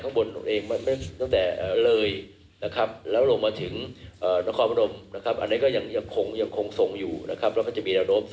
จะมีกำลังแรงขึ้นนะครับ